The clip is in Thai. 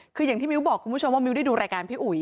คืออย่างที่มิ้วบอกคุณผู้ชมว่ามิ้วได้ดูรายการพี่อุ๋ย